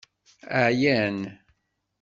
Ɛyan.